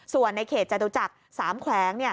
ส่วนในเขตจตุจักร๓แขวง